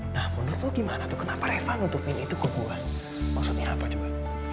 nah menurut lo gimana tuh kenapa reva nutupin itu ke gue maksudnya apa juga